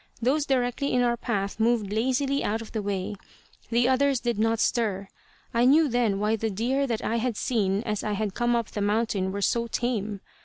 Those directly in our path moved lazily out of the way. The others did not stir. I knew then why the deer that I had seen as I had come up the mountain were so tame.